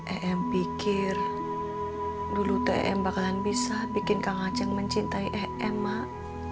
em pikir dulu tem bakalan bisa bikin kang aceh mencintai emak